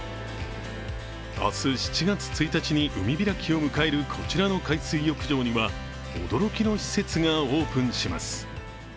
明日７月１日に海開きを迎えるこちらの海水浴場には、驚きの施設がオープンします。